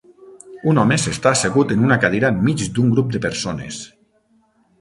Un home s'està assegut en una cadira enmig d'un grup de persones.